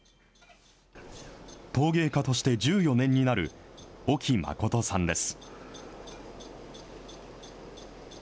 陶芸家として１４年になる沖誠さんです。